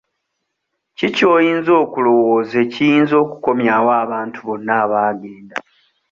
Ki ky'oyinza okulowooza ekiyinza okukomyawo abantu bonna abaagenda.